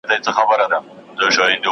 ابليس د مسلمانانو لپاره کوم پلانونه لري؟